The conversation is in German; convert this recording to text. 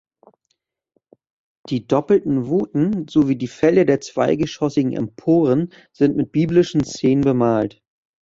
Die doppelten Vouten sowie die Felder der zweigeschossigen Emporen sind mit biblischen Szenen bemalt.